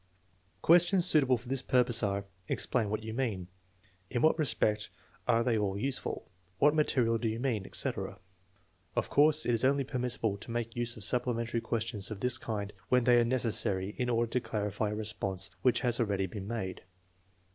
Questions suitable for this purpose are: " Explain what you mean," " In what respect are they all useful? "" What material do you mean? " etc. Of course it is only permissible to make use of supplementary ques tions of this kind when they are necessary in order to clarify a response which has already been made.